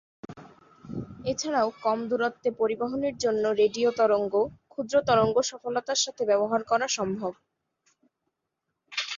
এছাড়াও কম দূরত্বে পরিবহনের জন্য রেডিও তরঙ্গ, ক্ষুদ্র তরঙ্গ সফলতার সাথে ব্যবহার করা সম্ভব।